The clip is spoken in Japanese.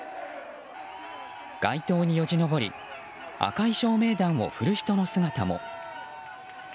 街灯によじ登り赤い照明弾を振る人の姿も。